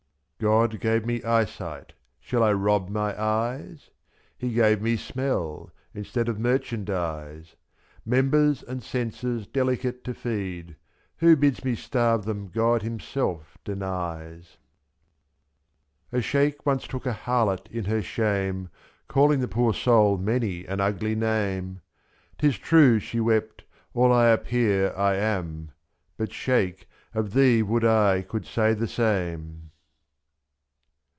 God gave me eyesight — shall I rob my eyes ? He gave me smell — instead of merchandise ;/ 7?. Members and senses delicate to feed — Who bids me starve them God himself denies. 75 A sheik once took a harlot in her shame. Calling the poor soul many an ugly name ;' )fo « 'Tis true," she wept, " all I appear I am ; But, sheik, of thee would I could say the same